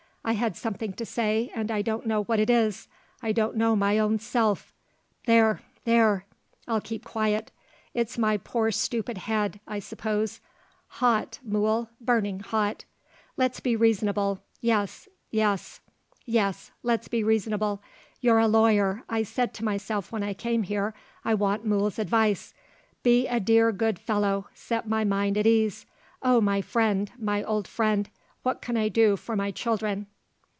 I had something to say, and I don't know what it is; I don't know my own self! There, there; I'll keep quiet. It's my poor stupid head, I suppose hot, Mool, burning hot. Let's be reasonable. Yes, yes, yes; let's be reasonable. You're a lawyer. I said to myself, when I came here, 'I want Mool's advice.' Be a dear good fellow set my mind at ease. Oh, my friend, my old friend, what can I do for my children?"